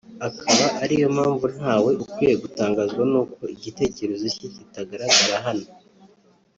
akaba ariyo mpamvu ntawe ukwiye gutangazwa n’uko igitekerezo cye kitagaragara hano